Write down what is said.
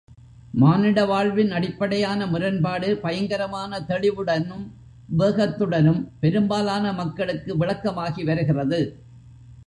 மானிட வாழ்வின் அடிப்படையான முரண்பாடு பயங்கரமான தெளிவுடனும், வேகத்துடனும் பெரும்பாலான மக்களுக்கு விளக்கமாகி வருகிறது.